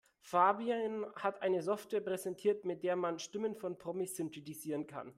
Fabian hat eine Software präsentiert, mit der man Stimmen von Promis synthetisieren kann.